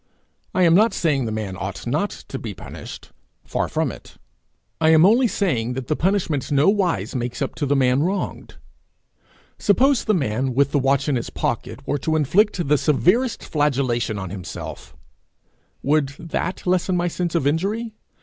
I am not saying the man ought not to be punished far from it; I am only saying that the punishment nowise makes up to the man wronged. Suppose the man, with the watch in his pocket, were to inflict the severest flagellation on himself: would that lessen my sense of injury?